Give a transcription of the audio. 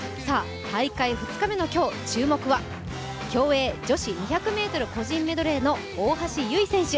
大会２日目の今日、注目は競泳２００ｍ個人メドレーの大橋悠依選手。